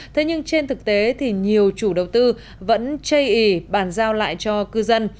thế nhưng trên thực tế thì nhiều chủ đầu tư vẫn chây ý bàn giao lại cho cư dân